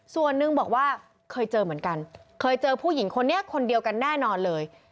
ส่วนหนึ่งบอกว่าเคยเจอเหมือนกันเคยเจอผู้หญิงคนนี้คนเดียวกันแน่นอนเลย